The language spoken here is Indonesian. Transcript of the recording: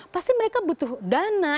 pasti mereka butuh dana